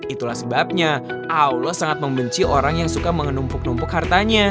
itulah sebabnya allah sangat membenci orang yang suka menumpuk numpuk hartanya